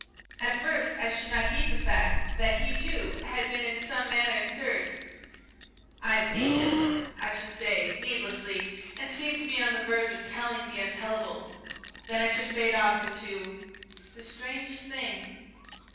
At first I should not heed the fact that he, too, had been in some manner stirred. "I have seen him," I should say, needlessly, and seem to be on the verge of telling the untellable. Then I should fade off into: "It's the strangest thing."